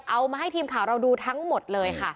เอามาให้ทีมข่าวเราดูทั้งหมดเลยค่ะ